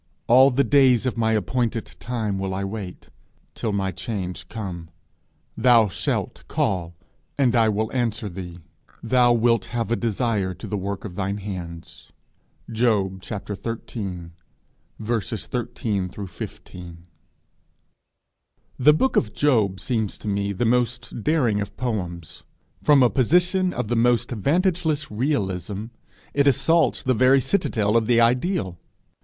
all the days of my appointed time will I wait, till my change come. Thou shalt call, and I will answer thee: thou wilt have a desire to the work of thine hands_.' Job xiv. 13 15. The book of Job seems to me the most daring of poems: from a position of the most vantageless realism, it assaults the very citadel of the ideal!